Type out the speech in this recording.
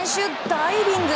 ダイビング。